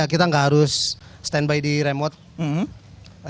kita nggak harus standby di remote